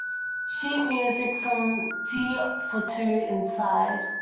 Sheet Music from "Tea for Two" Inside".